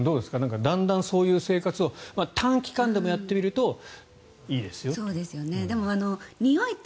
だんだんそういう生活を短期間でもやってみるといいですよと。